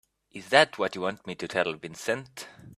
Is that what you want me to tell Vincent?